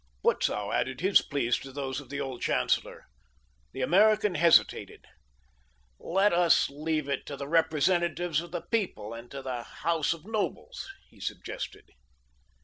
Butzow added his pleas to those of the old chancellor. The American hesitated. "Let us leave it to the representatives of the people and to the house of nobles," he suggested.